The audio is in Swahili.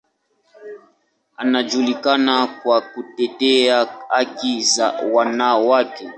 Anajulikana kwa kutetea haki za wanawake.